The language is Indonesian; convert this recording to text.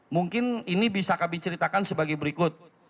mungkin ini bisa kami ceritakan sebagai berikut